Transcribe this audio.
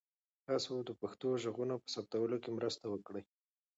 تاسو د پښتو ږغونو په ثبتولو کې مرسته وکړئ.